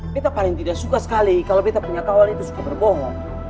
kita paling tidak suka sekali kalau kita punya kawal itu suka berbohong